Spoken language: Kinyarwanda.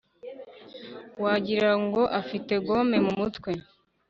Wagirango afite gome mu mutwe